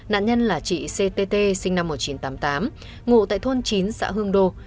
nạn nhân là chị ctt sinh năm một nghìn chín trăm tám mươi tám ngụ tại thôn chín xã hương đô